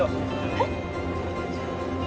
えっ？